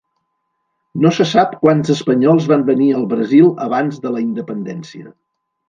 No se sap quants espanyols van venir al Brasil abans de la independència.